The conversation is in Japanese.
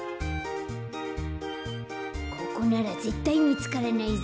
ここならぜったいみつからないぞ。